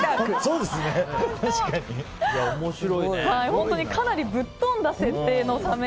本当にかなりぶっ飛んだ設定のサメ